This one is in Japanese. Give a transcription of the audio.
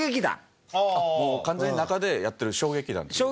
もう完全に中でやってる小劇団に？